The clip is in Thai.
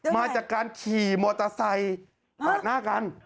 มาจากการขี่มอเตอร์ไซค์ปาดหน้ากัน